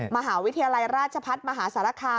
มหาวิทยาลัยราชพัฒน์มหาสารคาม